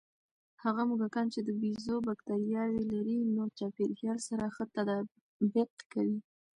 هغه موږکان چې د بیزو بکتریاوې لري، نوي چاپېریال سره ښه تطابق کوي.